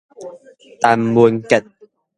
陳文傑